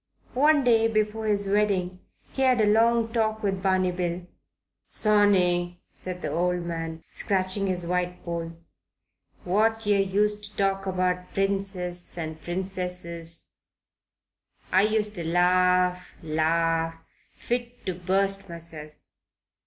On the day before his wedding he had a long talk with Barney Bill. "Sonny," said the old man, scratching his white poll, "when yer used to talk about princes and princesses, I used to larf larf fit to bust myself.